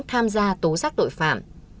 tham gia tố giác đội phạm